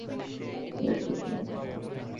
Counsellor good না এটা?